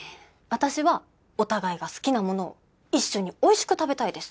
私はお互いが好きなものを一緒においしく食べたいです。